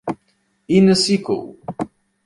Inner Circle